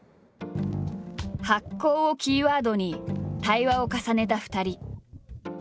「発酵」をキーワードに対話を重ねた２人。